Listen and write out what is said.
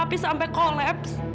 tapi sampai kolaps